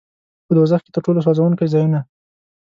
په دوزخ کې تر ټولو سوځوونکي ځایونه.